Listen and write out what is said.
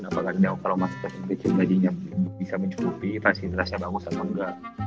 apakah kalau masih ke mpc jadinya bisa mencukupi rasi rasi yang bagus atau enggak